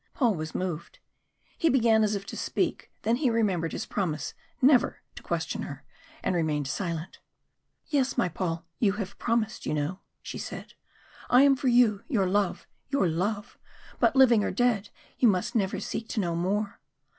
Paul was moved. He began as if to speak, then he remembered his promise never to question her, and remained silent. "Yes, my Paul you have promised, you know," she said. "I am for you, your love your love but living or dead you must never seek to know more!"